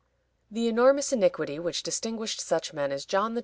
The enormous iniquity which distinguished such men as John XXII.